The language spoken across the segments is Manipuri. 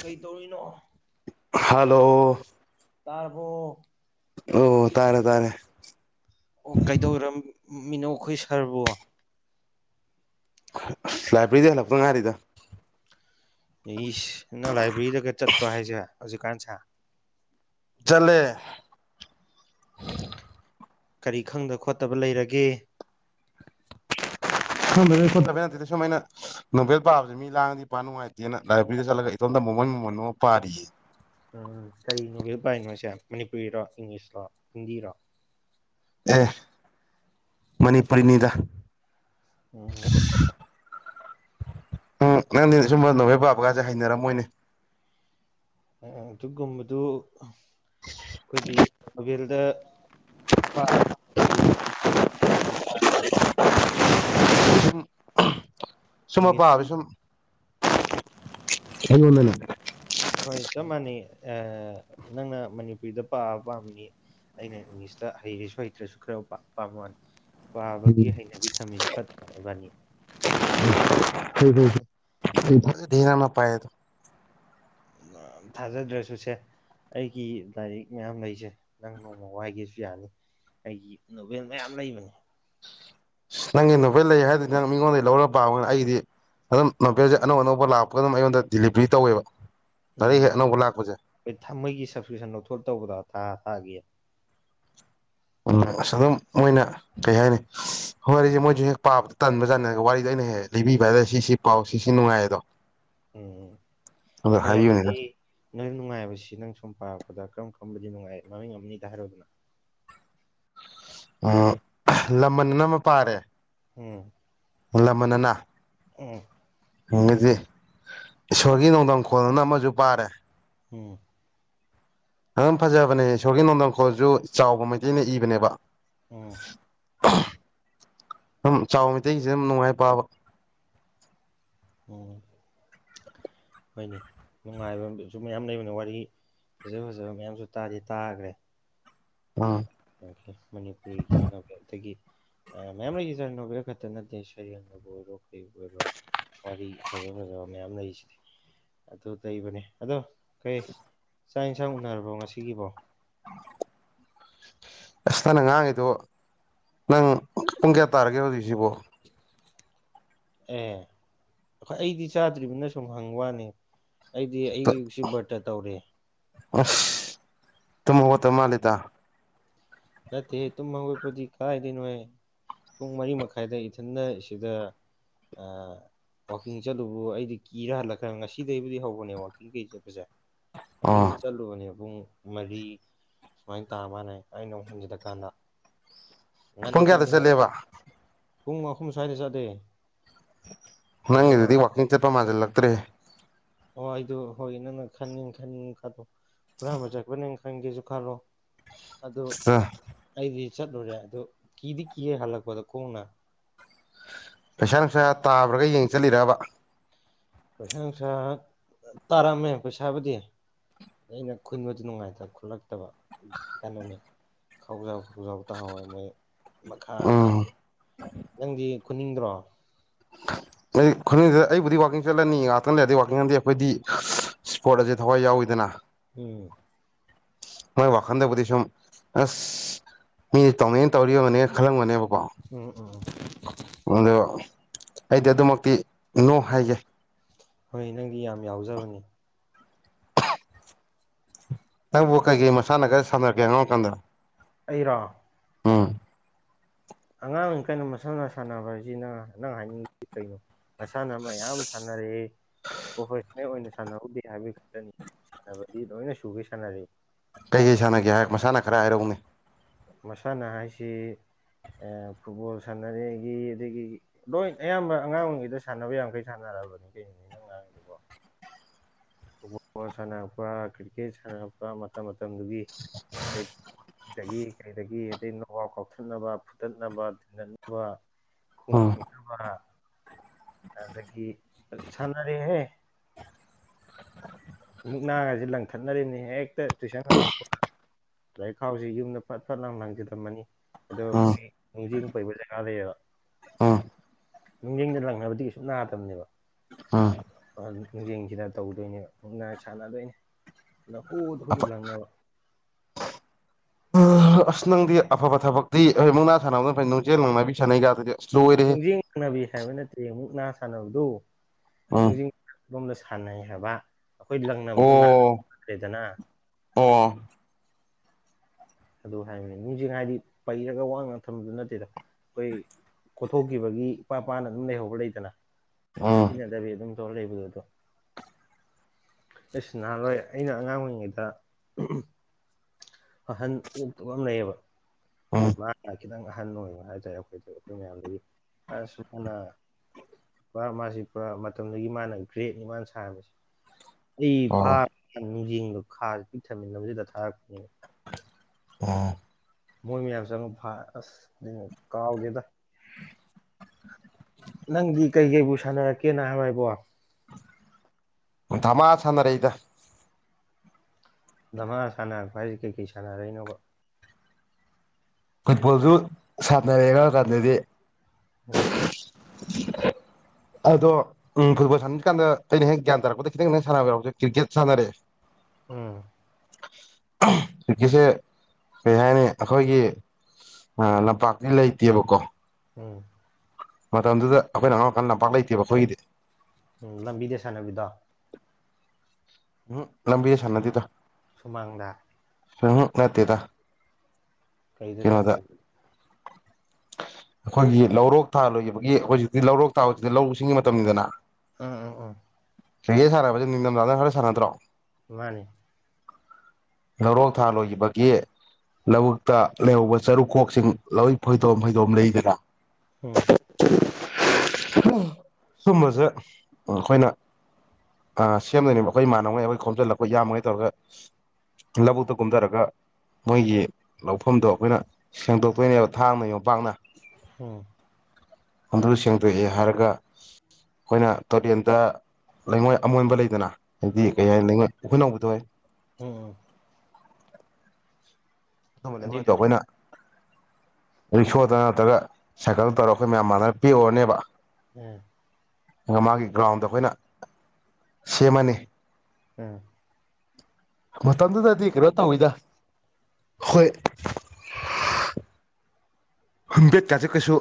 ꯀꯩ ꯇꯧꯔꯤꯅꯣ ꯍꯂꯣ ꯇꯔꯕꯣ ꯑꯣ ꯇꯥꯔꯦ ꯇꯥꯅꯦꯦ ꯃꯤꯅꯧꯈꯣꯏ ꯁꯥꯔꯕꯨꯣ ꯁ꯭ꯂꯥꯏꯕꯔꯤꯖ ꯂꯄ ꯉꯔꯤꯗ ꯅꯩꯅ ꯂꯥꯏꯕ꯭ꯔꯦꯔꯤꯗꯒ ꯆꯠꯄ꯭ꯔꯣ ꯍꯥꯏꯁꯦ ꯍꯧꯖꯤꯛꯀꯥꯟ ꯁꯥ ꯆꯂꯦ ꯀꯔꯤ ꯈꯪꯗ ꯈꯣꯠꯇꯕ ꯂꯩꯔꯒꯦ ꯁꯣ ꯁꯣꯠꯇꯕꯩ ꯅꯠꯇꯦ ꯁꯨꯃꯥꯏꯅ ꯅꯣꯕꯦꯜ ꯄꯥꯕꯁꯦ ꯃꯤ ꯂꯥꯡꯗꯤ ꯄꯥ ꯅꯨꯡꯉꯥꯏꯇꯦꯅ ꯏꯕꯦꯔꯤꯗ ꯆꯠꯂꯒ ꯏꯇꯣꯝ ꯃꯣꯃꯟ ꯃꯃꯟ ꯑꯃ ꯄꯥꯔꯤꯌꯦ ꯎꯝ ꯀꯔꯤꯅꯣꯕꯤ ꯥꯏꯅꯣꯁꯦ ꯃꯅꯤꯄꯨꯔꯤꯔꯣ ꯏꯪꯂꯤꯁꯔꯣ ꯍꯤꯟꯗꯤꯔꯣ ꯑꯦ ꯃꯅꯤꯄꯨꯔꯤꯅꯤꯗ ꯎꯝꯝ ꯎꯝ ꯅꯪꯗꯤ ꯁꯨꯝꯕ ꯅꯍꯣꯏ ꯄꯥꯕꯀꯁꯦ ꯍꯩꯅꯔꯝꯃꯣꯏꯅꯦ ꯑꯗꯨꯒꯨꯝꯕꯗꯨ ꯑꯩꯈꯣꯏꯗꯤ ꯅꯣꯕꯦꯜꯗ ꯍ ꯁꯨꯝ ꯏꯪꯂꯤꯁ ꯃꯄꯥꯕ ꯁꯨꯝꯉꯗ ꯍꯣꯏ ꯆꯞ ꯃꯥꯟꯅꯩ ꯅꯪꯅ ꯃꯅꯤꯄꯨꯔꯤꯗ ꯄꯥꯕ ꯄꯥꯝꯕꯅꯤ ꯑꯩꯅ ꯏꯪꯂꯤꯁꯇ ꯍꯩꯔꯁꯨ ꯍꯩꯇ꯭ꯔꯁꯨ ꯈꯔ ꯄꯥꯝ ꯃꯥꯅꯤ ꯄꯥꯕꯒꯤ ꯍꯩꯅꯕꯤ ꯊꯝꯃꯤꯁꯦ ꯐꯠꯇ꯭ꯔꯦ ꯏꯕꯥꯅꯤ ꯅꯅ ꯄꯑꯗ ꯎ ꯊꯥꯖꯗ꯭ꯔꯦꯁꯨꯁꯦ ꯑꯩꯒꯤ ꯂꯥꯏꯔꯤꯛ ꯃꯌꯥꯝ ꯂꯩꯖꯦ ꯅꯪ ꯅꯣꯡꯃ ꯋꯥꯏꯒꯦꯁꯨ ꯌꯥꯅꯤ ꯑꯩꯒꯤ ꯅꯣꯚꯦꯜ ꯃꯌꯥꯝ ꯂꯩꯕꯅꯤ ꯑ ꯅꯪꯒꯤ ꯅꯨꯈꯩ ꯂꯩ ꯍꯥꯏꯔꯗꯤ ꯅꯪ ꯃꯤꯉꯣꯟꯗꯒꯤꯩ ꯂꯧꯔ ꯄꯥꯕꯅꯤꯅ ꯑꯩꯗꯤ ꯑꯗꯨꯝ ꯅꯄꯦꯜꯁꯦ ꯑꯅꯧ ꯑꯅꯧꯕ ꯂꯥꯛꯄꯒ ꯑꯗꯨꯝ ꯑꯩꯉꯣꯟꯗ ꯗꯤꯂꯤꯚꯔꯤ ꯇꯧꯋꯦꯕ ꯂꯥꯏꯔꯤꯛ ꯎꯝ ꯍꯦꯛ ꯑꯅꯧꯕ ꯂꯥꯛꯄꯁꯦ ꯑꯩꯣꯏ ꯊ ꯃꯣꯏꯒꯤ ꯁꯞꯁꯀ꯭ꯔꯤꯞꯁꯟ ꯂꯧꯊꯣꯔꯑ ꯇꯧꯕꯗꯣ ꯊꯥ ꯊꯥꯒꯤ ꯎ ꯑꯁ ꯑꯗꯨꯝ ꯃꯣꯏꯅ ꯀꯩ ꯍꯥꯏꯅꯤ ꯍꯣꯏꯔꯤꯁꯦ ꯃꯣꯏꯁꯨ ꯍꯦꯛ ꯄꯥꯕꯗ ꯇꯟꯕ ꯆꯥꯅꯔꯒ ꯋꯥꯔꯤꯗ ꯑꯩ ꯅꯦꯍꯦ ꯂꯤꯕꯤꯕ ꯍꯥꯏꯗ ꯁꯤꯁꯤ ꯄꯥꯎ ꯁꯤꯁꯤ ꯅꯨꯡꯉꯥꯏ ꯑꯗꯣ ꯎꯝ ꯎꯝ ꯍꯣꯏ ꯍꯥꯏꯕꯤꯕꯅꯤꯗ ꯑꯗꯨꯗꯤ ꯅꯣꯏ ꯅꯨꯡꯉꯥꯏꯕꯁꯤ ꯅꯪ ꯁꯨꯝꯝ ꯄꯥꯄ ꯑꯣꯖꯥ ꯀꯔꯝ ꯈꯔꯝꯕꯗꯤ ꯅꯨꯡꯉꯥꯏ ꯃꯃꯤꯡ ꯑꯃꯅꯤꯗ ꯍꯥꯏꯔꯨꯗꯅ ꯎ ꯂꯃꯟꯅ ꯑꯃ ꯄꯥꯔꯦ ꯎꯝ ꯂꯜ ꯂꯃꯅꯅ ꯎꯝ ꯍꯪꯒꯗꯤ ꯏꯁꯣꯔꯒꯤ ꯅꯣꯡꯗꯝꯈꯣꯟꯅ ꯑꯃꯁꯨ ꯄꯥꯔꯦ ꯎꯝ ꯑꯗꯨꯪ ꯐꯖꯕꯅꯦ ꯏꯁꯣꯔꯒꯤ ꯅꯣꯟꯗꯡꯈꯣꯜꯁꯨ ꯆꯥꯎꯕ ꯃꯩꯇꯩꯅ ꯏꯕꯅꯦꯕ ꯎꯝ ꯑꯗꯨꯝ ꯆꯥꯎꯕ ꯃꯩꯁꯤ ꯑꯗꯨꯝ ꯅꯨꯡꯉꯥꯏ ꯄꯥꯕ ꯎꯝ ꯍꯣꯏꯅꯤ ꯅꯨꯡꯉꯥꯏꯕꯁꯨ ꯃꯌꯥꯝ ꯂꯩꯕꯅꯤ ꯋꯥꯔꯤ ꯐꯖ ꯐꯖꯕ ꯃꯌꯥꯝꯁꯨ ꯇꯥꯗꯤ ꯇꯥꯈ꯭ꯔꯦ ꯎꯝ ꯃꯅꯤꯄꯨꯔꯤꯒꯤ ꯅꯣꯕꯦꯜꯒꯤ ꯃꯌꯥꯝ ꯂꯩꯒꯤ ꯁꯔꯅꯣꯕꯤꯔ ꯈꯛꯇ ꯅꯠꯇꯦ ꯁꯌꯦꯦꯡꯅꯕꯨ ꯑꯣꯏꯔꯣ ꯐꯕꯨ ꯑꯣꯏꯔꯣ ꯋꯥꯔꯤ ꯐꯖ ꯐꯖꯕ ꯃꯌꯥꯝ ꯂꯩꯔꯤꯁꯤꯗꯤ ꯑꯗꯨ ꯇꯕꯅꯦ ꯑꯗꯣ ꯀꯩ ꯆꯥꯛ ꯌꯦꯟꯁꯥꯡ ꯎꯅꯔꯕꯣ ꯉꯁꯤꯒꯤꯕꯣ ꯑꯁ ꯅꯅ ꯉꯥꯡꯉꯤꯗꯣ ꯅꯪ ꯄꯨꯡ ꯀꯌꯥ ꯇꯥꯔꯒꯦ ꯍꯧꯖꯤꯛꯁꯤꯕꯣ ꯑꯦ ꯍꯣꯏ ꯑꯩꯗꯤ ꯆꯥꯗ꯭ꯔꯤꯕꯅꯤꯅ ꯁꯨꯝ ꯍꯪ ꯋꯥꯅꯤ ꯑꯩꯗꯤ ꯑꯌꯨꯛ ꯑꯌꯨꯛꯁꯤ ꯕꯔꯠꯇ ꯇꯧꯔꯤꯦ ꯑ ꯇꯨꯃ ꯍꯠꯇ ꯃꯥ ꯂꯩꯗ ꯅꯠꯇꯦ ꯇꯨꯪꯒꯣꯏ ꯄꯗꯤ ꯀꯥꯏꯗꯅꯣꯦ ꯄꯨꯡ ꯃꯔꯤ ꯃꯈꯥꯏꯗ ꯏꯊꯟꯅ ꯁꯤꯗ ꯋꯥꯋꯥꯛꯀꯤꯡ ꯆꯠꯂꯨꯕꯨ ꯑꯩꯗꯤ ꯀꯤꯔ ꯍꯜꯂꯛꯈ꯭ꯔꯦ ꯉꯁꯤꯗꯒꯤꯩꯕꯨꯗꯤ ꯍꯧꯕꯅꯦ ꯋꯥꯋꯥꯛꯀꯤꯡ ꯀꯩ ꯆꯠꯄꯁꯦ ꯑꯣ ꯑꯍꯤꯡꯗ ꯆꯠꯂꯨꯕꯅꯦ ꯄꯨꯡ ꯃꯔꯤ ꯁꯨꯃꯥꯏꯅ ꯇꯥ ꯃꯥꯅꯦ ꯑꯩꯅ ꯖꯤꯗ ꯀꯥꯟꯗ ꯄꯨꯡ ꯀꯌꯥꯗ ꯆꯠꯂꯦꯕ ꯄꯨꯡ ꯑꯍꯨꯝ ꯁ꯭ꯋꯥꯏꯗ ꯆꯥꯗꯦ ꯅꯪꯦ ꯑꯗꯨꯤꯗꯤ ꯋꯥꯀꯤꯡ ꯆꯠꯄ ꯃꯥꯖꯦꯜ ꯂꯥꯛꯇ꯭ꯔꯦ ꯍꯣꯏꯗ ꯍꯣꯏ ꯅꯪꯅ ꯈꯟꯅꯤꯡ ꯈꯟꯅꯤꯡ ꯈꯗꯣ ꯄꯨꯔꯥꯕ ꯆꯒꯕꯅꯦ ꯈꯥꯏꯒꯦꯁꯨ ꯈꯥꯂꯣ ꯑꯗꯨ ꯑꯩꯗꯤ ꯆꯠꯂꯨꯔꯦ ꯑꯗꯨ ꯀꯤꯗꯤ ꯀꯤꯌꯦꯦ ꯍꯜꯂꯛꯄꯗ ꯈꯣꯡꯅ ꯄꯩꯁꯥ ꯅꯨꯡꯁꯥ ꯇꯥꯕ꯭ꯔꯒ ꯌꯦꯡ ꯆꯠꯂꯤꯔꯕ ꯄꯩꯁꯥ ꯅꯨꯡꯁꯥ ꯇꯥꯔꯝꯃꯦ ꯄꯩꯁꯥꯕꯨꯗꯤ ꯑꯩꯅ ꯈꯨꯟꯕꯗꯨ ꯅꯨꯡꯉꯥꯏꯇ ꯈꯨꯠꯂꯛꯇꯕ ꯀꯩꯅꯣꯅꯦ ꯈꯥꯎꯖꯥꯎ ꯈꯧꯖꯥꯎ ꯇ ꯍꯥꯎꯏ ꯃꯣꯏ ꯃꯈꯥ ꯎꯝ ꯅꯪꯗꯤ ꯈꯨꯅꯤꯡꯗ꯭ꯔꯣ ꯑꯩ ꯈꯨꯁꯤꯗ ꯑꯩꯕꯨꯗꯤ ꯋꯥꯥꯛꯀꯤꯡ ꯆꯠꯂꯅꯤ ꯉꯥꯛꯇꯪ ꯂꯩꯔꯗꯤ ꯋꯥꯥꯛꯀꯤꯡ ꯈꯗꯤ ꯑꯩꯈꯣꯏꯗꯤ ꯏꯁ꯭ꯄꯣꯔꯠ ꯑꯁꯦ ꯊꯋꯥꯏ ꯌꯥꯎꯋꯤꯗꯅ ꯎꯝ ꯃꯣꯏ ꯋꯥꯈꯥꯟꯗꯦ ꯄꯗꯤꯤꯁꯝ ꯑ ꯃꯤ ꯇꯧꯃꯅ ꯇꯧꯅꯦ ꯈꯜꯂꯝꯕꯅꯦꯕ ꯎꯝ ꯎꯝ ꯑꯣ ꯑꯩꯗꯤ ꯑꯗꯨꯃꯛꯇꯤ ꯅꯣ ꯍꯥꯏꯒꯦ ꯍꯣꯏ ꯅꯪꯗꯤ ꯌꯥꯝ ꯌꯥꯎꯖꯕꯅꯦ ꯅꯪꯕꯨ ꯀꯩꯀꯩ ꯃꯁꯥꯟꯅ ꯈꯔ ꯁꯥꯟꯅꯔꯛꯀꯦ ꯑꯉꯥꯡꯔ ꯀꯥꯟꯗ ꯑꯩꯔꯥ ꯑꯉꯥꯡ ꯀꯩꯅꯣ ꯃꯁꯥꯟꯅ ꯁꯥꯟꯅꯕ ꯍꯥꯏꯁꯤ ꯅꯪ ꯅꯪ ꯍꯥꯏꯅꯤꯡꯉꯤꯁꯤ ꯀꯩꯅꯣ ꯃꯁꯥꯟꯅ ꯃꯌꯥꯝ ꯁꯥꯟꯅꯔꯛ ꯄ꯭ꯔꯣꯐꯦꯁ ꯑꯣꯏꯅ ꯁꯥꯟꯅꯍꯧꯗꯦ ꯍꯥꯏꯕꯒꯤ ꯈꯛꯇꯅꯤ ꯁꯥꯟꯅꯕꯗꯤ ꯂꯣꯏꯅ ꯁꯨꯒꯦ ꯁꯥꯟꯅꯔ ꯀꯩꯀꯩ ꯁꯥꯟꯅꯒꯦ ꯍꯥꯏ ꯃꯁꯥꯟꯅ ꯈꯔ ꯍꯥꯏꯔꯧꯅꯤ ꯃꯁꯥꯟꯅ ꯍꯥꯏꯁꯤ ꯐꯨꯠꯕꯣꯜ ꯁꯥꯟꯅꯔꯒꯤ ꯑꯗꯒꯤ ꯂꯣꯏ ꯑꯌꯥꯝꯕ ꯑꯉꯥꯡ ꯑꯣꯏꯔꯤꯉꯩꯗ ꯁꯥꯟꯅꯕ ꯌꯥꯈꯩ ꯁꯥꯟꯅꯔ ꯀ [unintelligible] ꯐꯨꯠꯕꯣꯜ ꯁꯥꯟꯅꯔꯛꯄ ꯀ꯭ꯔꯤꯛꯀꯦꯠ ꯁꯥꯟꯅꯔꯛꯄ ꯃꯇꯝ ꯃꯇꯝꯗꯨꯒꯤ ꯁꯤꯗꯒꯤ ꯀꯩꯗꯒꯤ ꯑꯗꯩ ꯅꯋꯥꯥꯎ ꯀꯥꯎꯊꯠꯅꯕ ꯐꯨꯠꯇꯠꯅꯕ ꯇꯤꯗꯠꯅꯕ ꯎꯝ ꯐꯔ ꯑꯗꯗꯒꯤ ꯁꯅꯔ ꯍꯦ ꯃꯨꯛꯅꯥꯉꯁꯤ ꯂꯪꯊꯠꯅꯔꯤꯅꯤ ꯍꯦꯛꯇ ꯇꯨꯏꯁꯟ ꯉꯔꯛꯄ ꯑꯗꯗꯒꯤ ꯈꯥꯎꯁꯤ ꯌꯨꯝꯗ ꯐꯠ ꯐꯠ ꯂꯪ ꯍꯪꯈꯤꯗꯝꯃꯅꯤ ꯑꯗꯣ ꯎꯝ ꯑꯩꯈꯣꯏ ꯅꯨꯡꯖꯤꯡ ꯀꯣꯏꯕ ꯖꯒꯥꯗꯌꯦꯕ ꯎꯝ ꯅꯨꯡꯖꯡꯗ ꯂꯪꯅꯕꯗꯤ ꯀꯩꯁꯁꯨ ꯅꯥꯗꯕꯅꯦꯕ ꯎꯝ ꯅꯨꯡꯖꯤꯡꯁꯤꯅ ꯇꯧꯗꯣꯏꯅꯦ ꯉꯥꯏ ꯁꯥꯟꯅꯗꯣꯏꯅꯤ ꯅꯈꯨꯠ ꯈꯨꯨꯠꯇ ꯂꯪꯅꯕ ꯑꯁ ꯅꯪꯗꯤ ꯑꯐꯕ ꯊꯕꯛꯇꯤ ꯍꯣꯏ ꯃꯨꯛꯅꯥ ꯁꯥꯟꯅꯕꯅ ꯐꯩ ꯅꯨꯡꯖꯦꯜ ꯅꯨꯡ ꯅꯥꯏꯕꯤ ꯁꯥꯟꯅꯩꯒꯗꯨꯗꯤ ꯑꯁ ꯂꯣꯏꯔꯦꯍꯦ ꯖꯤꯡ ꯉꯪꯅꯕꯤ ꯍꯥꯏꯕ ꯅꯠꯇꯦ ꯑꯃꯨꯛ ꯅꯥ ꯎꯝ ꯁꯥꯟꯅꯕꯗꯨꯣꯖ ꯁꯥꯟꯅꯩ ꯍꯥꯏꯕ ꯑꯩꯈꯣꯏ ꯂꯪꯅꯕꯗꯨꯣ ꯑꯣ ꯅꯥ꯭ꯔꯦꯗꯅ ꯑꯣ ꯑꯗꯨ ꯍꯥꯏꯕꯅꯤ ꯃꯤꯁꯤꯡ ꯍꯥꯏꯗꯤ ꯄꯩꯔꯒ ꯋꯥꯡꯅ ꯊꯝꯕꯗꯨ ꯅꯠꯇꯦꯗ ꯑꯩꯈꯣꯏ ꯀꯣꯊꯣꯛꯈꯤꯕꯒꯤ ꯏꯄꯥ ꯏꯄꯥꯅ ꯑꯗꯨꯝ ꯂꯩꯍꯧꯕ ꯂꯩꯇꯅ ꯎꯝ ꯁꯤꯖꯤꯟꯅꯗꯕꯤ ꯑꯗꯨꯝ ꯆꯣꯣꯔꯦꯕꯗꯠꯇꯣ ꯑꯩꯁꯨ ꯅꯍꯥꯥꯟꯜꯂꯏ ꯑꯩꯅ ꯑꯉꯥꯡ ꯑꯣꯏꯔꯤꯉꯩꯗ ꯑꯍꯟ ꯑꯣꯛꯇ ꯉ ꯂꯩꯌꯦꯕ ꯎꯝ ꯃꯥ ꯈꯤꯇꯪ ꯑꯍꯟ ꯑꯣꯏꯕ ꯍꯥꯏꯇꯥꯔꯦ ꯑꯩꯈꯣꯏꯗ ꯑꯩꯈꯣꯏ ꯃꯌꯥꯝꯗꯒꯤ ꯁꯨꯃꯥꯏꯅ ꯄꯨꯔ ꯃꯥꯁꯤ ꯄꯨꯔꯥ ꯃꯇꯝꯗꯨꯒꯤ ꯃꯥꯅ ꯒ꯭ꯔꯦꯠꯅꯤ ꯃꯥꯅ ꯁꯥꯅꯕꯁꯦ ꯑꯩ ꯑꯣ ꯐꯥꯔ ꯅꯨꯡꯖꯤꯡꯗꯣ ꯈꯥꯁꯦ ꯄꯤꯛꯊꯃꯤꯟꯅꯕꯁꯤꯗ ꯊꯥꯔꯛꯄꯅꯦ ꯑꯣ ꯃꯣꯏ ꯃꯌꯥꯝ ꯆꯪꯉꯨ ꯑꯁ ꯀꯥꯎꯒꯦꯗ ꯅꯪꯗꯤ ꯀꯩꯀꯩꯕꯨ ꯁꯥꯟꯅꯔꯛꯀꯦꯅ ꯍꯥꯏꯕ ꯍꯥꯏꯕꯣ ꯙꯃꯥꯥꯁꯅꯔꯦ ꯏꯗ ꯙꯃꯥ ꯁꯥꯟꯅꯔꯛꯄ ꯍꯥꯏꯁꯦ ꯀꯩ ꯀꯩ ꯁꯥꯟꯅꯔꯛꯏꯅꯣꯕꯣ ꯐꯨꯠꯕꯣꯜꯁꯨ ꯁꯥꯟꯅꯔꯦꯒ ꯃꯇꯝꯥꯟꯗꯗꯤ ꯎꯝ [unintelligible] ꯑꯗꯣ ꯐꯨꯠꯕꯣꯜ ꯁꯥꯟꯅꯕ ꯀꯥꯟꯗ ꯑꯩꯅ ꯍꯦꯛ ꯒ꯭ꯌꯥꯟ ꯇꯥꯔꯛꯄꯗ ꯈꯤꯇꯪ ꯪ ꯁꯥꯟꯅꯕ ꯌꯥꯎꯁꯦ ꯀ꯭ꯔꯤꯀꯦꯠꯥꯟꯅꯔꯑꯦ ꯎꯝ ꯀ꯭ꯀꯤꯁꯦ ꯀꯩ ꯍꯥꯏꯅꯤ ꯑꯩꯈꯣꯏꯒꯤ ꯑ ꯂꯝꯄꯥꯛꯇꯤ ꯂꯩꯇꯦꯕꯀꯣ ꯎꯝ ꯃꯇꯝꯗꯨꯗ ꯑꯩꯈꯣꯏꯅ ꯑꯉꯥꯡꯈꯜ ꯂꯝꯄꯥꯛ ꯂꯩꯇꯦꯕ ꯑꯩꯈꯣꯏꯒꯤꯗꯤ ꯎꯝ ꯂꯝꯕꯤꯗ ꯁꯥꯟꯅꯕꯤꯗꯣ ꯎꯝ ꯂꯕꯤꯤ ꯁꯥꯟꯅꯗꯤꯗ ꯁꯨꯃꯥꯡꯗ ꯁꯍꯃꯦ ꯇꯗ ꯀꯩꯗꯁꯅ ꯂꯩ [inaudible] ꯑꯩꯈꯣꯏꯒꯤ ꯂꯧꯔꯣꯛ ꯊꯥ ꯂꯣꯏꯕꯒꯤ ꯍꯧꯖꯤꯛꯇꯤ ꯂꯧꯔꯣꯛ ꯊꯥꯕꯁꯤꯗꯤ ꯂꯧ ꯁꯤꯡꯒꯤ ꯃꯇꯝꯅꯤꯗꯅ ꯑ ꯎꯝ ꯎꯝ ꯁꯤꯦ ꯁꯥꯟꯅꯕꯁꯦ ꯅꯤꯡꯊꯝꯊꯥꯗ ꯈꯔ ꯁꯥꯟꯅꯗ꯭ꯔꯣ ꯃꯥꯅꯦ ꯂꯧꯔꯣꯛ ꯊꯥ ꯂꯣꯏꯈꯤꯕꯒꯤ ꯂꯧꯛ ꯇ ꯂꯩꯍꯧꯕ ꯆꯔꯨꯈꯣꯛꯁꯤꯡ ꯂꯣꯏ ꯐꯣꯏꯗꯣꯝ ꯐꯩꯗꯣꯝ ꯂꯩꯗꯅ ꯎꯝ ꯁꯒꯨꯝꯕꯁꯦ ꯑꯩꯈꯣꯏꯅ ꯑ ꯁꯦꯝꯗꯣꯏꯅꯦꯕ ꯑꯩꯈꯣꯏ ꯃꯥꯟꯅꯕꯉꯩ ꯑꯩꯈꯣꯏ ꯈꯣꯝꯖꯤꯜꯂꯛꯄ ꯌꯥꯝꯃꯉꯩ ꯇꯧꯔꯒ ꯂꯧꯕꯨꯛꯇ ꯀꯨꯝꯊꯔꯒ ꯃꯣꯏꯒꯤ ꯂꯧꯐꯝꯗꯣ ꯑꯩꯈꯣꯏꯅ ꯁꯦꯡꯗꯣꯛꯄꯩꯅꯦꯕ ꯊꯥꯡꯅ ꯌꯣꯝꯄꯥꯛꯅ ꯍꯝ ꯍꯨꯟꯗ꯭ꯔ ꯁꯦꯡꯗꯣꯛꯑꯦ ꯍꯥꯏꯔꯒ ꯑꯩꯈꯣꯏꯅ ꯇꯨꯔꯦꯜꯗ ꯂꯩꯉꯣꯏ ꯑꯃꯣꯟꯕ ꯂꯩꯗꯅ ꯍꯥꯏꯗꯤ ꯎꯝ ꯀꯩ ꯍꯥꯏꯅꯤꯉ ꯎꯈꯠ ꯍꯧꯕꯗꯣ ꯑꯣꯏ ꯎꯝ ꯑꯗꯨꯅꯦꯗꯣ ꯑꯗꯨꯏꯗꯨꯅꯤ ꯑꯩꯈꯣꯏꯅ ꯔꯤꯛꯁꯣꯗ ꯅꯠꯇ꯭ꯔꯒ ꯁꯥꯏꯀꯜꯗ ꯇꯧꯔꯒ ꯑꯩꯈꯣꯏ ꯃꯌꯥꯝ ꯃꯥꯟꯅꯔ ꯄꯤꯛꯎꯔꯅꯦꯕ ꯎꯝ ꯑꯗꯨꯒ ꯃꯥꯒꯤ ꯒ꯭ꯔꯥꯎꯟꯗ ꯑꯩꯈꯣꯏꯅ ꯁꯦꯝꯃꯅꯤ ꯎꯝ ꯃꯇꯝꯗꯨꯗꯗꯤ ꯀꯩꯅꯣ ꯇꯧꯋꯤꯗ ꯍꯣꯏ ꯍꯄꯦꯠꯀꯥꯁ ꯀꯩꯁꯨ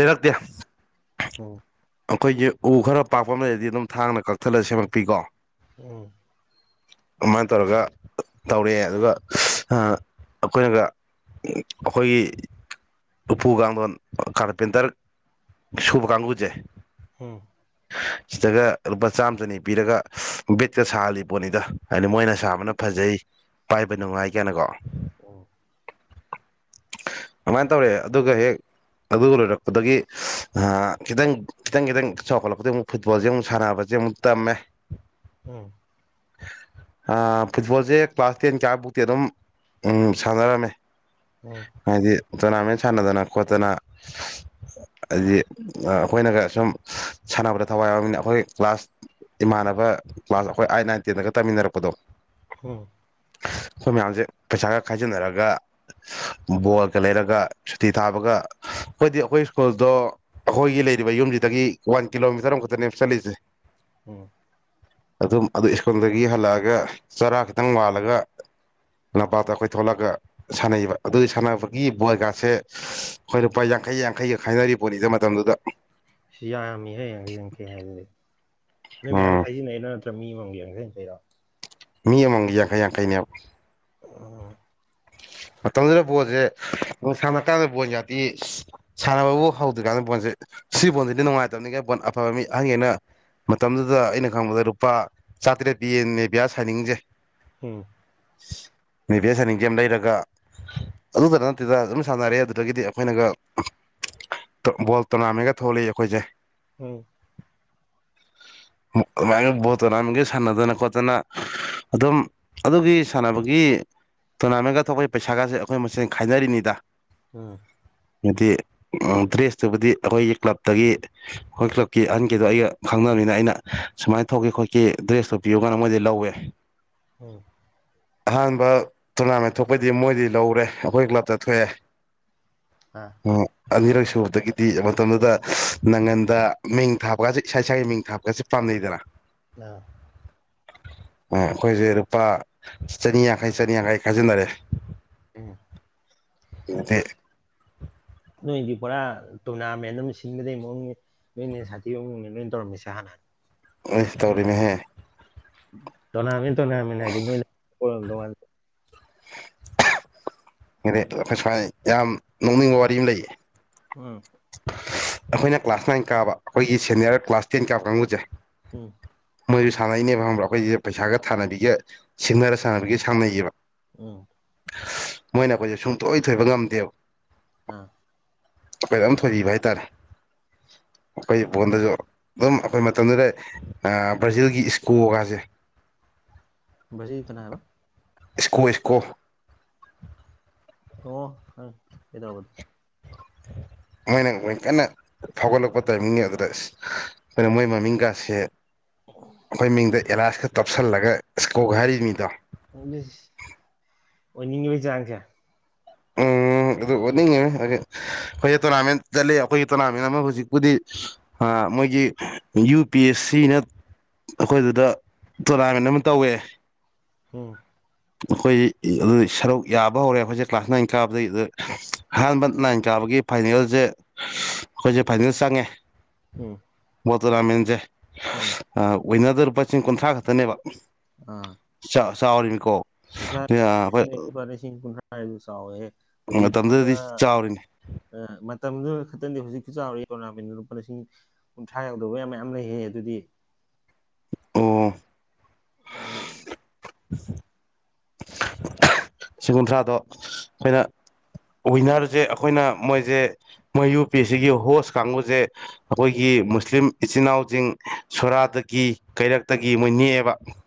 ꯂꯩꯔꯛꯇꯦ ꯑꯣ ꯑꯩꯈꯣꯏꯒꯤꯦ ꯎ ꯈꯔ ꯄꯥꯛꯄ ꯑꯃꯗꯗꯤ ꯑꯗꯨꯝ ꯊꯥꯡꯅ ꯀꯛꯊꯠꯂ ꯁꯦꯝꯃꯛꯄꯤꯀꯣ ꯎꯝ ꯑꯗꯨꯃꯥꯏꯅ ꯇꯧꯔꯒ ꯇꯧꯔꯛꯑꯦ ꯑꯗꯨꯒ ꯑꯩꯈꯣꯏꯅꯒ ꯑꯩꯈꯣꯏꯒꯤ ꯎꯄꯨ ꯀꯥꯡꯊꯣꯟ ꯀꯔꯄꯦꯟꯇꯔ ꯁꯨꯕ ꯀꯥꯡꯕꯨꯁꯦ ꯍꯝ ꯁꯤꯗꯒ ꯂꯨꯄꯥ ꯆꯥꯝꯃ ꯆꯅꯤ ꯄꯤꯔꯒ ꯕꯦꯠꯀ ꯁꯥꯍꯜꯂꯤ ꯄꯣꯠꯅꯤꯗ ꯍꯥꯏꯗꯤ ꯃꯣꯏꯅ ꯁꯥꯕꯅ ꯐꯖꯩ ꯄꯥꯏꯕ ꯅꯨꯡꯉꯥꯏ ꯀꯥꯏꯅꯀꯣ ꯑꯣ [inaudible] ꯀꯃꯥꯏꯅ ꯇꯧꯔꯑꯦ ꯑꯗꯨꯒ ꯍꯦꯛ ꯑꯗꯨ ꯂꯣꯏꯔꯛꯄꯗꯒꯤ ꯈꯤꯇꯪ ꯈꯤꯇꯪ ꯈꯤꯇꯪ ꯆꯥꯎꯈꯠꯂꯛꯄꯗꯒꯤ ꯑꯃꯨꯛ ꯐꯨꯠꯕꯣꯜꯁꯦ ꯑꯃꯨꯛ ꯁꯥꯟꯅꯕꯁꯦ ꯑꯃꯨꯛ ꯇꯝꯃꯦ ꯎꯝ ꯐꯨꯠꯕꯣꯜꯁꯦ ꯀ꯭ꯂꯥꯁ ꯇꯦꯟ ꯀꯥꯏꯐꯥꯎꯛꯇꯤ ꯑꯗꯨꯝ ꯁꯥꯟꯅꯔꯝꯃꯦ ꯑꯗꯤ ꯇꯣꯔꯅꯥꯃꯦꯟ ꯁꯥꯟꯅꯗꯅ ꯈꯣꯠꯇꯅ ꯍꯥꯏꯗꯤ ꯑꯩꯈꯣꯏꯅꯒ ꯁꯨꯝ ꯁꯥꯟꯅꯕꯗ ꯊꯋꯥꯏ ꯌꯥꯎꯕꯅꯤꯅ ꯑꯩꯈꯣꯏ ꯀ꯭ꯂꯥꯁ ꯏꯃꯥꯟꯅꯕ ꯀ꯭ꯂꯥꯁ ꯑꯩꯈꯣꯏ ꯑꯥꯏꯠ ꯅꯥꯏꯟ ꯇꯦꯟꯗꯒ ꯇꯥꯃꯤꯟꯅꯔꯛꯄꯗꯣ ꯍꯝ ꯑꯩꯈꯣꯏ ꯃꯌꯥꯝꯁꯦ ꯄꯩꯁꯥꯒ ꯈꯥꯏꯖꯤꯟꯅꯔꯒ ꯕꯣꯜꯒ ꯂꯩꯔꯒ ꯁꯨꯇꯤ ꯊꯥꯕꯒ ꯑꯩꯈꯣꯏꯗꯤ ꯑꯩꯈꯣꯏ ꯁ꯭ꯀꯨꯜꯗꯣ ꯑꯩꯈꯣꯏꯒꯤ ꯂꯩꯔꯤꯕ ꯌꯨꯝꯁꯤꯗꯒꯤ ꯋꯥꯟ ꯀꯤꯂꯣꯃꯤꯇꯔ ꯑꯃꯈꯛꯇꯅꯦ ꯆꯠꯂꯤꯁꯦ ꯎꯝ ꯑꯗꯨꯝ ꯑꯗꯨ ꯁ꯭ꯀꯨꯜꯗꯒꯤ ꯍꯜꯂꯛꯑꯒ ꯆꯔꯥ ꯈꯤꯇꯪ ꯃꯥꯜꯂꯒ ꯂꯝꯄꯥꯛꯇ ꯑꯩꯈꯣꯏ ꯊꯣꯛꯂꯛꯒ ꯁꯥꯟꯅꯩꯕ ꯑꯗꯨꯒꯤ ꯁꯥꯟꯅꯕꯒꯤ ꯕꯣꯏꯒꯁꯦ ꯑꯩꯈꯣꯏ ꯂꯨꯄꯥ ꯌꯥꯡꯈꯩ ꯌꯥꯡꯈꯩ ꯌꯥꯡꯈꯩꯒ ꯈꯥꯏꯅꯔꯤ ꯄꯣꯠꯅꯤꯗ ꯃꯇꯝꯗꯨꯗ ꯌꯥꯝꯃꯤ ꯍ ꯌꯦꯡꯁ ꯌꯦꯡꯀꯦ ꯍꯥꯏꯗꯨꯗꯤ ꯅꯣꯏ ꯃꯌꯥꯝ ꯎꯝ ꯈꯥꯏꯖꯤꯟꯅꯩꯩꯅ ꯅꯠꯇ ꯃꯤ ꯃꯡ ꯌꯦꯡꯔ ꯃꯤ ꯑꯃꯃꯥꯡꯒꯤ ꯌꯥꯡꯈꯩ ꯌꯥꯡꯈꯩꯅꯦꯦꯝ ꯎ ꯃꯇꯝꯗꯨꯗ ꯕꯣꯜꯁꯦꯅꯨꯡ ꯁꯥꯟꯅ ꯀꯥꯟꯗ ꯕꯣꯜ ꯌꯥꯗꯦ ꯁꯥꯟꯅꯕꯕꯨ ꯍꯧꯗ꯭ꯔꯤꯀꯥꯟꯗ ꯕꯣꯟꯁꯦ ꯁꯤ ꯕꯣꯜꯁꯤꯗꯤ ꯅꯨꯡꯉꯥꯏꯇꯕꯅꯤꯉꯅ ꯕꯣꯜ ꯑꯐꯕ ꯃꯤ ꯑꯍꯟꯈꯩꯅ ꯃꯇꯝꯗꯨꯗ ꯑꯩꯅ ꯈꯪꯕꯗ ꯂꯨꯄꯥ ꯆꯥꯇ꯭ꯔꯦꯠ ꯄꯤꯌꯦꯟ ꯅꯦꯕꯤꯌꯥꯁ ꯍꯥꯏꯅꯤꯡꯖꯩ ꯍꯝ ꯃꯤꯕꯦꯁꯅꯤ ꯀꯦꯝ ꯂꯩꯔꯒ ꯑꯗꯨꯗ ꯅꯠꯇꯗ ꯑꯗꯨꯝ ꯁꯥꯟꯅꯔꯦ ꯑꯗꯨꯗꯒꯤꯗꯤ ꯑꯩꯈꯣꯏꯅꯒ ꯕꯣꯜ ꯇꯣꯔꯅꯥꯃꯦꯟꯒ ꯊꯣꯛꯂ ꯑꯩꯈꯣꯏꯁꯦ ꯎꯝ ꯃꯥ ꯣꯔ ꯑꯃꯒꯦ ꯁꯥꯟꯅꯗꯨꯅ ꯀꯠꯇꯅ ꯑꯗꯨꯝ ꯑꯗꯨꯒꯤ ꯁꯥꯟꯅꯕꯒꯤ ꯇꯣꯔꯅꯥꯃꯦꯟꯒ ꯑ ꯊꯣꯛꯄꯒꯤ ꯄꯩꯁꯥꯒꯁꯦ ꯑꯩꯈꯣꯏ ꯃꯁꯦꯟ ꯈꯥꯏꯅꯔꯤꯅꯤꯗ ꯎꯝ ꯍꯥꯏꯗꯤ ꯗ꯭ꯔꯦꯁꯇꯨꯕꯨꯗꯤ ꯑꯩꯈꯣꯏꯒꯤ ꯀ꯭ꯂꯞꯇꯒꯤ ꯑꯩꯈꯣꯏ ꯀ꯭ꯂꯕꯀꯤ ꯑꯍꯟꯒꯤꯗꯣ ꯑꯩꯒ ꯈꯪꯅꯕꯅꯤꯅ ꯑꯩꯅ ꯁꯨꯃꯥꯏꯅ ꯊꯣꯛꯈꯤ ꯈꯣꯠꯀꯤ ꯗ꯭ꯔꯦꯁꯇꯣ ꯄꯤꯌꯒꯅ ꯃꯣꯏꯗꯤ ꯂꯧꯋꯦ ꯎꯝ ꯑꯍꯥꯟꯕ ꯇꯣꯔꯅꯥꯃꯦꯟ ꯊꯣꯛꯄꯗꯤ ꯃꯣꯏꯗꯤ ꯂꯧꯔꯦ ꯑꯩꯈꯣꯏ ꯀ꯭ꯂꯞꯇ ꯊꯣꯛꯑꯦ ꯑꯥ ꯍꯝ ꯑꯅꯤꯔꯛ ꯁꯨꯕꯗꯒꯤꯗꯤ ꯃꯇꯝꯗꯨꯗ ꯅꯪꯒꯟꯗ ꯃꯤꯡ ꯊꯥꯕꯒꯁꯦ ꯏꯁꯥ ꯏꯁꯥꯒꯤ ꯃꯤꯡ ꯊꯥꯕꯒꯁꯦ ꯄꯥꯝ ꯗꯔ ꯑ ꯑꯩꯈꯣꯏꯁꯦ ꯂꯨꯄꯥ ꯆꯅꯤ ꯌꯥꯡꯈꯩ ꯆꯅꯤꯌꯥꯡꯈꯩ ꯈꯥꯏꯖꯤꯟꯅꯔꯦ ꯎꯝ ꯑꯗꯤ ꯑꯁ ꯅꯣꯏꯗꯤ ꯄꯨꯔꯥ ꯇꯣꯔꯅꯥꯃꯦꯟ ꯑꯃ ꯁꯤꯟꯕꯗꯩ ꯃꯑꯣꯡꯅꯤ ꯃꯣꯏꯅꯦ ꯁꯥꯇꯤ ꯅꯣꯏ ꯇꯔꯝꯁ ꯍꯥꯟꯅ ꯎ ꯇꯔꯤꯃꯦ ꯍ ꯅ ꯇꯅꯃꯤ ꯅ ꯑꯗꯨꯉ [unintelligible] ꯑꯩꯈꯣꯏ ꯁꯨꯃꯥꯏꯅ ꯌꯥꯝ ꯅꯣꯛꯅꯤꯡꯕ ꯋꯥꯔꯤ ꯑꯃ ꯂꯩꯌꯦ ꯎꯝ ꯑꯩꯈꯣꯏꯅ ꯀ꯭ꯂꯥꯁ ꯅꯥꯏꯟ ꯀꯥꯕ ꯑꯩꯈꯣꯏꯒꯤ ꯁꯦꯅꯤꯌꯔ ꯀ꯭ꯂꯥꯁ ꯇꯦꯟ ꯀꯥꯕ ꯀꯥꯡꯕꯨꯁꯦ ꯎꯝ ꯃꯣꯏꯁꯨ ꯁꯥꯟꯅꯩꯅꯦꯕ ꯈꯪꯕ꯭ꯔꯥ ꯑꯩꯈꯣꯏꯁꯦ ꯄꯩꯁꯥꯒ ꯊꯥꯟꯅꯕꯤꯒ ꯁꯤꯡꯅꯔ ꯁꯥꯟꯅꯕꯤꯒ ꯁꯥꯟꯅꯩꯌꯦꯕ ꯎꯝ ꯃꯣꯏꯅ ꯑꯩꯈꯣꯏꯁꯦ ꯁꯨꯡꯇꯣꯏ ꯊꯣꯏꯕ ꯉꯝꯗꯦꯕ ꯑꯥ ꯑꯩꯈꯣꯏꯔꯝ ꯊꯣꯏꯕ ꯍꯥꯏꯇꯥꯔꯦ ꯑꯩꯈꯣꯏ ꯕꯣꯟꯗꯁꯨ ꯑꯗꯨꯝ ꯑꯩꯈꯣꯏ ꯃꯇꯝꯗꯨꯗ ꯕ꯭ꯔꯥꯖꯤꯜꯒꯤ ꯏꯁꯀꯣꯒꯁꯦ [inaudible] ꯀꯅꯥꯕ ꯏꯀꯣ ꯏꯀꯣ ꯑꯣ ꯄꯗꯥꯕꯗꯨ [inaudible] ꯃꯣꯏꯅ ꯀꯟꯅ ꯐꯥꯎꯒꯠꯂꯛꯄ ꯇꯥꯏꯃꯤꯡꯅꯦ ꯑꯗꯨꯗ ꯑꯩꯈꯣꯏꯅ ꯃꯣꯏ ꯃꯃꯤꯡꯀꯥꯁꯦ ꯑꯩꯈꯣꯏ ꯃꯤꯡꯗ ꯑꯦꯂꯥꯏꯁꯀ ꯇꯞꯁꯜꯂꯒ ꯏꯁꯀꯣꯛ ꯍꯥꯏꯔꯤ ꯃꯤꯗꯣ ꯑꯣꯏꯅꯤꯡꯉꯕꯩ ꯆꯥꯡ ꯁꯦ ꯎꯝ ꯎꯝ ꯑꯗꯨ ꯑꯣꯠꯅꯤꯡꯉꯦ ꯑꯩꯈꯣꯏꯁ ꯇꯣꯔꯅꯥꯃꯦꯟ ꯆꯠꯂ ꯑꯩꯈꯣꯏꯒꯤ ꯇꯣꯔꯅꯥꯃꯦꯟ ꯑꯃ ꯍꯧꯖꯤꯛꯄꯨꯗꯤ ꯃꯣꯏꯒꯤ ꯌꯨ ꯄꯤ ꯑꯦꯁ ꯁꯤꯅ ꯑꯩꯈꯣꯏ ꯑꯗꯨꯗ ꯇꯣꯔꯅꯥꯃꯦꯟ ꯑꯃ ꯇꯧꯋꯦ ꯎꯝ ꯑꯩꯈꯣꯏ ꯑꯗꯨ ꯁꯔꯨꯛ ꯌꯥꯕ ꯍꯧꯔꯦ ꯑꯩꯈꯣꯏꯁꯦ ꯀ꯭ꯂꯥꯁ ꯅꯥꯏꯟ ꯀꯥꯕꯗꯒꯤ ꯑꯗꯨꯗ ꯑꯍꯥꯟꯕ ꯅꯥꯏꯟ ꯀꯥꯕ ꯑꯩꯈꯒꯤ ꯐꯥꯏꯅꯦꯜꯁꯦ ꯑꯩꯈꯣꯏꯁꯦ ꯐꯥꯏꯅꯦꯜ ꯆꯪꯉꯦ ꯎꯝ ꯣꯣꯔꯅꯥꯦꯟꯁꯦ ꯎꯝ ꯋ ꯑꯣꯏꯅꯔꯗ ꯂꯨꯄꯥ ꯆ ꯀꯨꯟꯊ꯭ꯔꯥ ꯈꯛꯇꯅꯦꯕ ꯑꯥ ꯆꯥꯎꯔꯤꯃꯤꯀꯣ ꯄꯁꯥꯔꯁꯤ ꯄꯨꯥꯦ [unintelligible] ꯍꯧꯖꯤꯛ ꯐꯥꯎꯗ ꯃꯇꯝꯗꯨꯗꯗꯤ ꯆꯥꯎꯔꯤꯅꯤ ꯃꯇꯝꯗꯨꯅ ꯈꯛꯇꯪꯗꯤ ꯍꯧꯖꯤꯛ ꯆꯥꯎꯔꯛ ꯇꯣꯔꯅꯥꯃꯦꯟꯗꯨ ꯂꯨꯄꯥ ꯂꯤꯁꯤꯡ ꯀꯨꯟꯊ꯭ꯔꯥ ꯌꯥꯎꯗꯧꯕ ꯌꯥꯝ ꯃꯌꯥꯝ ꯂꯩꯍ ꯑꯗꯨꯗꯤ ꯑꯣ ꯎꯝ ꯎꯝ ꯁꯤ ꯀꯨꯟꯊ꯭ꯔꯥꯗꯣ ꯑꯩꯈꯣꯏꯅ ꯋꯤꯟꯅꯔꯁꯦ ꯑꯩꯈꯣꯏꯅ ꯃꯣꯏꯁꯦ ꯃꯣꯏꯌꯨ ꯄꯤ ꯁꯤꯒꯤ ꯍꯣꯁ ꯀꯥꯡꯕꯨꯁꯦ ꯑꯩꯈꯣꯏꯒꯤ ꯃꯨꯁꯂꯤꯝ ꯏꯆꯤꯟ ꯏꯅꯥꯎꯁꯤꯡ ꯁꯣꯔꯥꯗꯒꯤ ꯀꯩꯔꯛꯇꯒꯤ ꯃꯣꯏ ꯅꯦꯛꯑꯦꯕ [unintelligible]